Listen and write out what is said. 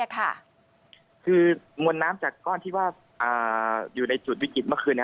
คือมวลน้ำจากก้อนที่ว่าอยู่ในจุดวิกฤตเมื่อคืน